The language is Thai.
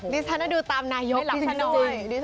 ดิชันธนตร์ดูตามนายก